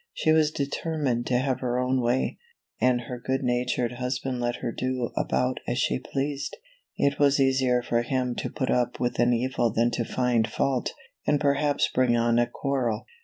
She was determined to have her own way, and her good natured husband let her do about as she pleased. It was easier for him to put up with an evil than to find fault, and perhaps bring on a quarrel.